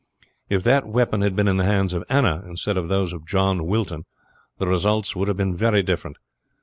"If that weapon had been in the hands of Anna, instead of those of John Wilton, the results would have been very different.